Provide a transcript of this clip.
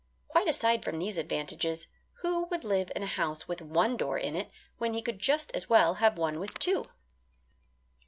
Quite aside from these advantages, who would live in a house with one door in it when he could just as well have one with two?